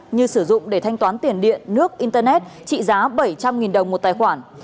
như sử dụng để thanh toán tiền điện nước internet trị giá bảy trăm linh đồng một tài khoản